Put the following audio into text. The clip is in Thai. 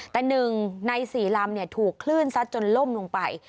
แต่๑ใน๔ลำถูกคลื่นซัดจนล่มลงไป